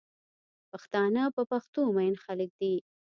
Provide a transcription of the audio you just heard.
پښتانه په پښتو مئین خلک دی